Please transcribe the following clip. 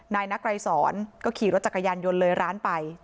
นายนักไรสอนก็ขี่รถจักรยานยนต์เลยร้านไป